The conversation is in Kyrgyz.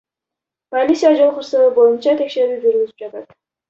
Полиция жол кырсыгы боюнча текшерүү жүргүзүп жатат.